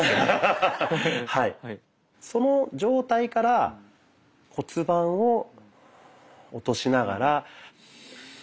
その状態から骨盤を落としながら。